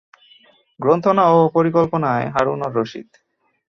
গ্রন্থনা ও পরিকল্পনায় হারুন অর রশীদ।